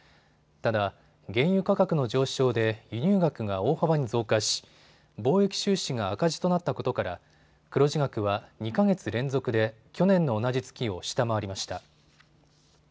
ただ、原油価格の上昇で輸入額が大幅に増加し貿易収支が赤字となったことから黒字額は２か月連続で去年の同じ月を下回りました。